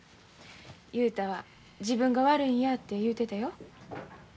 雄太は自分が悪いんやて言うてたよ。